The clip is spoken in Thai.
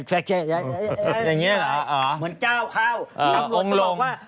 เหมือนเจ้าเขาตำรวจเขาบอกว่า